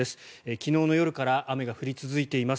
昨日の夜から雨が降り続いています。